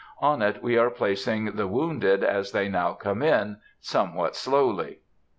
On it we are placing the wounded as they now come in, somewhat slowly.